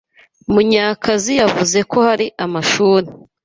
Munyakazi yavuze ko hari amashuri